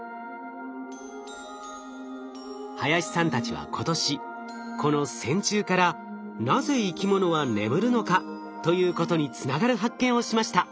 林さんたちは今年この線虫から「なぜ生きものは眠るのか？」ということにつながる発見をしました。